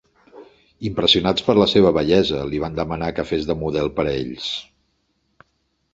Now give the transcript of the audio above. Impressionats per la seva bellesa, li van demanar que fes de model per a ells.